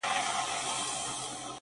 ویل ګوره چي ګنجی سر دي نیولی٫